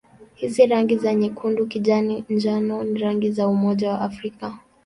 Hizi rangi za nyekundu-kijani-njano ni rangi za Umoja wa Afrika.